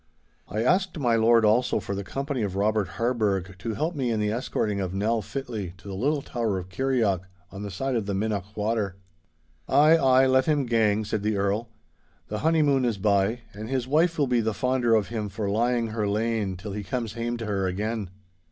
I asked my lord also for the company of Robert Harburgh to help me in the escorting of Nell fitly to the little tower of Kirrieoch on the side of the Minnoch water. 'Ay, ay; let him gang,' said the Earl. 'The honeymoon is by, and his wife will be the fonder of him for lying her lane till he comes hame to her again.